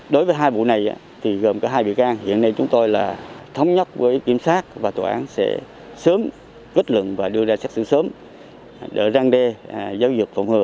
đối với hai vụ này thì gồm có hai biện pháp hiện nay chúng tôi là thống nhất với kiểm soát và tòa án sẽ sớm kết luận và đưa ra xét xử sớm để răng đê giáo dục phổng hừa